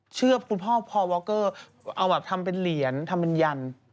เชื่อคุณพ่อพอวอคเกอร์เอาแบบทำเป็นเหรียญทำเป็นยัน